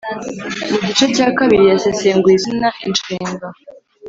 Mu gice cya kabiri yasesenguye izina, inshinga,